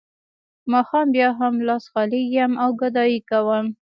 ماښام بیا هم لاس خالي یم او ګدايي کوم